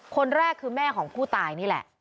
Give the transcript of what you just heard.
คนแรกคือแม่ของผู้ตายนี่แหละ